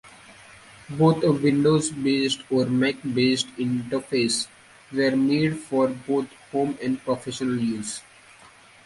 Both a Windows-based or Mac-based interface were made for both home and professional use.